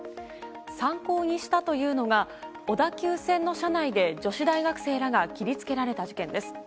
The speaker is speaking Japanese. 参考にしたというのが小田急線の車内で女子大学生らが切りつけられた事件です。